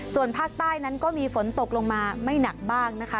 ส่วนภาคใต้นั้นก็มีฝนตกลงมาไม่หนักบ้างนะคะ